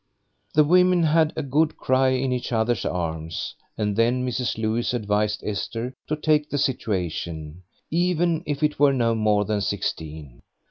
The women had a good cry in each other's arms, and then Mrs. Lewis advised Esther to take the situation, even if it were no more than sixteen.